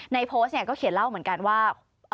ในโพสต์ก็เขียนเล่าเหมือนกันว่า